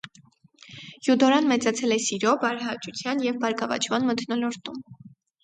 Յուդորան մեծացել է սիրո, բարեհաճության և բարգավաճման մթնոլորտում։